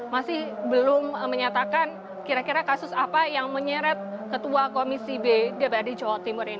masih belum menyatakan kira kira kasus apa yang menyeret ketua komisi b dprd jawa timur ini